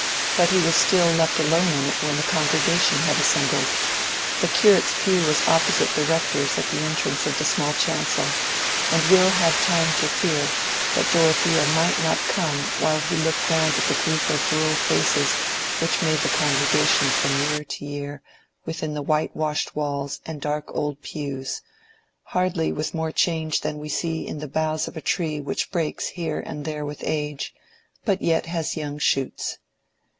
But he was still left alone in it when the congregation had assembled. The curate's pew was opposite the rector's at the entrance of the small chancel, and Will had time to fear that Dorothea might not come while he looked round at the group of rural faces which made the congregation from year to year within the white washed walls and dark old pews, hardly with more change than we see in the boughs of a tree which breaks here and there with age, but yet has young shoots.